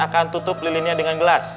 akan tutup lilinnya dengan gelas